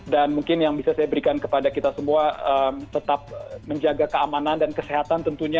dan mungkin yang bisa saya berikan kepada kita semua tetap menjaga keamanan dan kesehatan tentunya